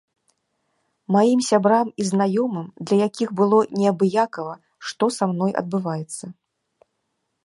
Маім сябрам і знаёмым, для якіх было неабыякава, што са мной адбываецца.